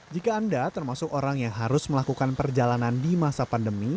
jika anda termasuk orang yang harus melakukan perjalanan di masa pandemi